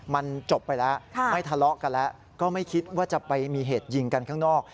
มันจบไปแล้วไม่ทะเลาะกันแล้วก็ไม่คิดว่าจะไปมีเหตุยิงกันข้างนอก